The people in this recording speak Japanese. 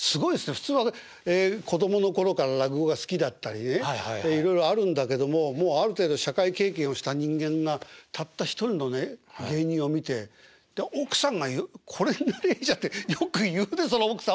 普通は子供の頃から落語が好きだったりねいろいろあるんだけどももうある程度社会経験をした人間がたった一人のね芸人を見て奥さんが「これになりゃいいじゃん」ってよく言うねその奥さんも。